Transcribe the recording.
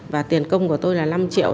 và tiền công của tôi là năm triệu